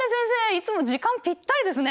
いつも時間ぴったりですね。